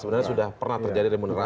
sebenarnya sudah pernah terjadi remunerasi